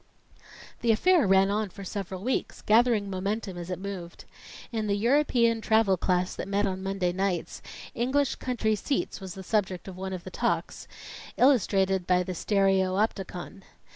The affair ran on for several weeks, gathering momentum as it moved. In the European Travel Class that met on Monday nights, "English Country Seats" was the subject of one of the talks, illustrated by the stereopticon.